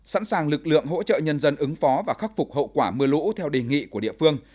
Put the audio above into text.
sẵn sàng lực lượng hỗ trợ nhân dân ứng phó và khắc phục hậu quả mưa lũ theo đề nghị của địa phương